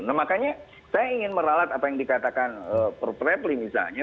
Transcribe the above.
nah makanya saya ingin meralat apa yang dikatakan prof repli misalnya